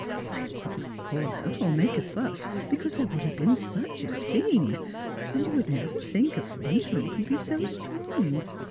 I could not call out or make a fuss, because there would have been such a scene, and you would never think a Frenchman could be so strong.